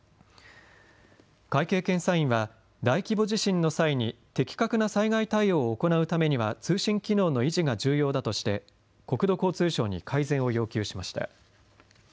会計検査院は大規模地震の際に的確な災害対応を行うためには通信機能の維持が重要だとして国土交通省に改善を要求しました。